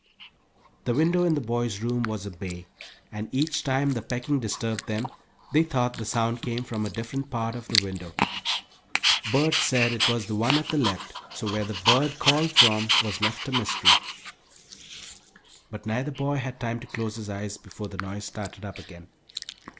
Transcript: The window in the boys' room was a bay, and each time the pecking disturbed them they thought the sound came from a different part of the window. Bert said it was the one at the left, so where the "bird" called from was left a mystery. But neither boy had time to close his eyes before the noise started up again!